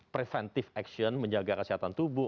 preventive action menjaga kesehatan tubuh